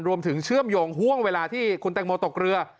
เชื่อมโยงห่วงเวลาที่คุณแตงโมตกเรือ